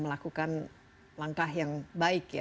melakukan langkah yang baik